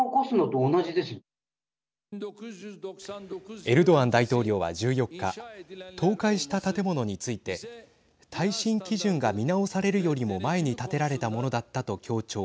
エルドアン大統領は１４日倒壊した建物について耐震基準が見直されるよりも前に建てられたものだったと強調。